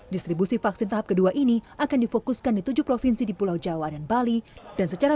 distribusi vaksin tahap kedua ini akan difokuskan di tujuh provinsi di pulau jawa dan bali dan secara